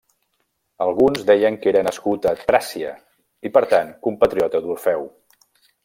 Alguns deien que era nascut a Tràcia, i per tant, compatriota d'Orfeu.